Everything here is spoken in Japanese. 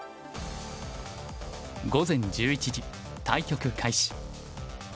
午前１１時対局開始。